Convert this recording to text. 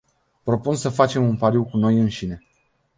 Propun să facem un pariu cu noi înșine.